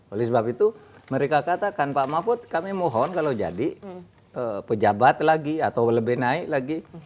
oleh sebab itu mereka katakan pak mahfud kami mohon kalau jadi pejabat lagi atau lebih naik lagi